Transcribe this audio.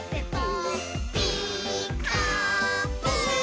「ピーカーブ！」